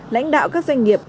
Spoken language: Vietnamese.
lãnh đạo các doanh nghiệp